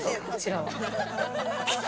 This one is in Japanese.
うちらは。